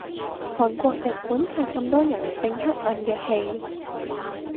韓國日本拍咁多人性黑暗嘅戲